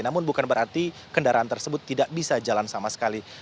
namun bukan berarti kendaraan tersebut tidak bisa jalan sama sekali